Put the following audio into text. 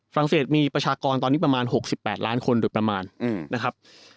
ฝรัศมีประชากรตอนนี้ประมาณ๖๘ล้านคนโดยประมาณนะครับ